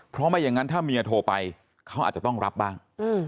เพราะไม่อย่างนั้นถ้าเมียโทรไปเขาอาจจะต้องรับบ้าง